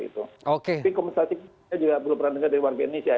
tapi kompensasi juga berlubang dari warga indonesia